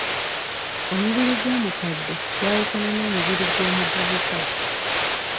Omubiri gw'omukadde gwawukana n'omubiri gw'omuvubuka.